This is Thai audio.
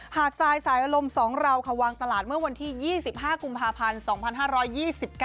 ทรายสายอารมณ์๒เราค่ะวางตลาดเมื่อวันที่๒๕กุมภาพันธ์๒๕๒๙